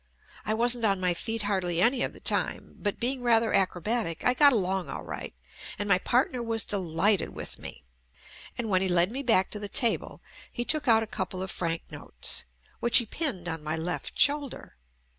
I wasn't on my feet hardly any df the time, but being rather acrobatic I got along all right and my partner was delighted with me, and when he led me back to the table he took out a couple of franc notes, which he pinned on my left shoulder.